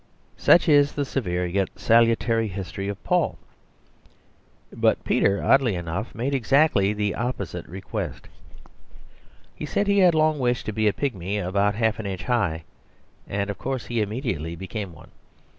Such is the severe yet salutary history of Paul. But Peter, oddly enough, made exactly the opposite request; he said he had long wished to be a pigmy about half an inch high; and of course he immediately became one.